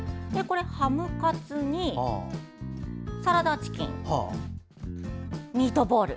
ハムカツに、サラダチキンミートボール。